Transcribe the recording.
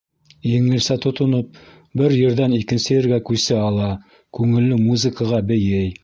Еңелсә тотоноп, бер ерҙән икенсе ергә күсә ала, күңелле музыкаға «бейей».